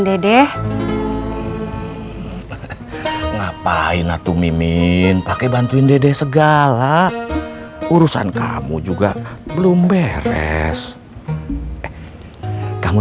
dedek ngapain atu mimin pakai bantuin dede segala urusan kamu juga belum beres kamu